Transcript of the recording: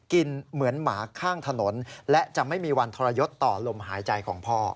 เหมือนหมาข้างถนนและจะไม่มีวันทรยศต่อลมหายใจของพ่อ